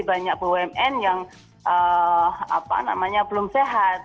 banyak bumn yang belum sehat